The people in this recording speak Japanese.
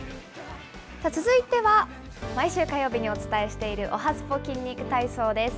続いては、毎週火曜日にお伝えしているおはＳＰＯ筋肉体操です。